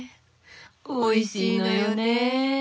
おいしいのよね。